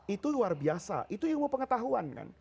itu luar biasa itu ilmu pengetahuan kan